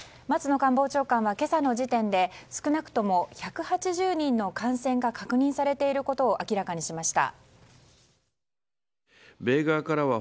官房長官は今朝の時点で少なくとも１８０人の感染が確認されていることを明らかにしました。